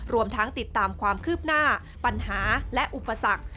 รวมทั้งติดตามความคืบหน้าปัญหาและอุปสรรค